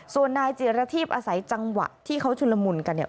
ส่วนนายจิรทีพอาศัยจังหวะที่เขาชุลมุนกันเนี่ย